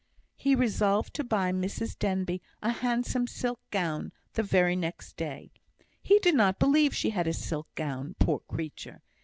He resolved to buy Mrs Denbigh a handsome silk gown the very next day. He did not believe she had a silk gown, poor creature!